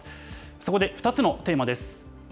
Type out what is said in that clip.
そこで２つのテーマです。